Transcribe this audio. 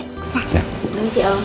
nah ini sih om